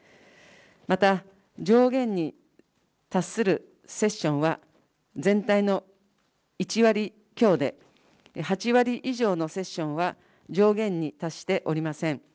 また、上限に達するセッションは、全体の１割強で、８割以上のセッションは上限に達しておりません。